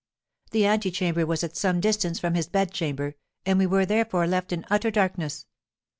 The antechamber was at some distance from his bedchamber, and we were, therefore, left in utter darkness.